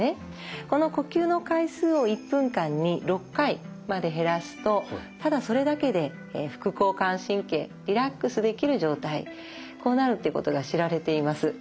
この呼吸の回数を１分間に６回まで減らすとただそれだけで副交感神経リラックスできる状態こうなるってことが知られています。